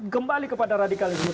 kembali kepada radikalisme